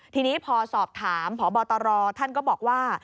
ทีนี้พอสอบถามพบตรท่านก็บอกว่า